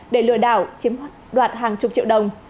để lừa đảo chiếm đoạt hàng chục triệu đồng